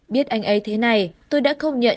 biết anh ấy thế này tôi đã không nhận